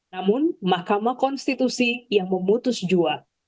namun mahkamah konstitusi yang memutus jua